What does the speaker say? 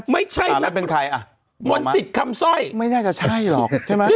ไม่ใช่น่ะมศิษย์คำสร้อยไม่ได้จะใช่หรอกใช่ไหม